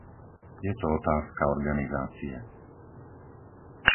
Je to otázka organizácie.